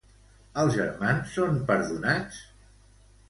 Els germans són perdonats?